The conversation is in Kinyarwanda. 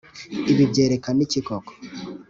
ibi byerekana iki koko?